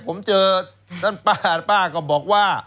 ผมเจอนั่นป้าก็บอกว่า